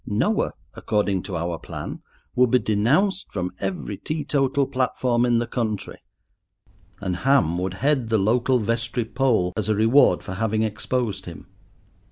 Noah, according to our plan, would be denounced from every teetotal platform in the country, and Ham would head the Local Vestry poll as a reward for having exposed him.